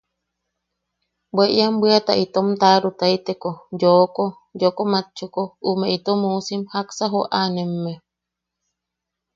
Bwe ien bwiata itom taʼarutaiteko yooko, yooko matchuko “¿ume itom uusim jaksa joʼanemme?”